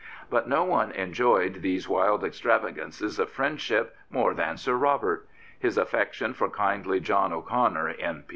But no one enjoyed these wild extravagances of friendship more than Sir Robert, His affection for kindly John O'Connor, M.